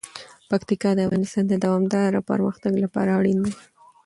پکتیکا د افغانستان د دوامداره پرمختګ لپاره اړین دي.